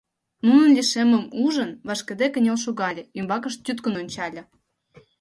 Нунын лишеммым ужын, вашкыде кынел шогале, ӱмбакышт тӱткын ончале.